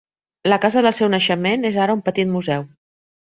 La casa del seu naixement és ara un petit museu.